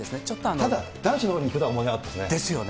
ただ、男子のほうに行くとは思わなかったですね。ですよね。